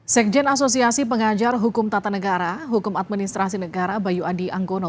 sekjen asosiasi pengajar hukum tata negara hukum administrasi negara bayu adi anggono